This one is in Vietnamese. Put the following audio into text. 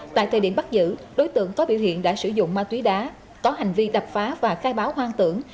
tại thời điểm bắt giữ đối tượng có biểu hiện đã sử dụng ma túy đá có hành vi đập phá và khai báo hoang tưởng